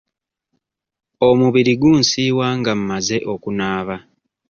Omubiri gunsiiwa nga mmaze okunaaba.